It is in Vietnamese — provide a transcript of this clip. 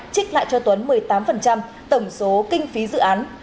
trích lại cho tuấn một mươi tám tổng số kinh phí dự án